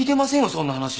そんな話。